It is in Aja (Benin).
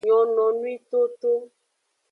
Nyononwi toto.